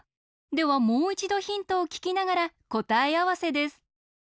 ではもういちどヒントをききながらこたえあわせです。